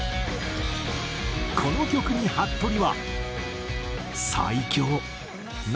この曲にはっとりは。